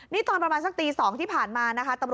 นี่ตอนประมาณสักตี๒ที่ผ่านมานะคะ